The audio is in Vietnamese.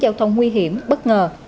giao thông nguy hiểm bất ngờ